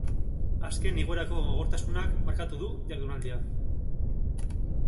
Azken igoerako gogortasunak markatu du jardunaldia.